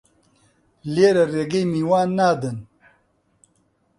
لیرە ڕێگەی میوان نادەن